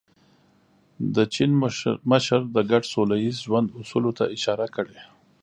د چین مشر د ګډ سوله ییز ژوند اصولو ته اشاره کړې.